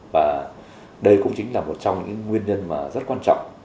và đây cũng chính là một trong những nguyên nhân rất quan trọng